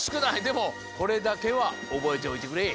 でもこれだけはおぼえておいてくれ！